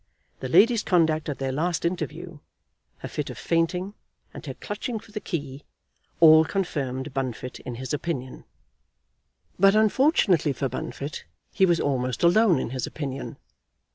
The lady's conduct at their last interview, her fit of fainting, and her clutching for the key, all confirmed Bunfit in his opinion. But unfortunately for Bunfit he was almost alone in his opinion.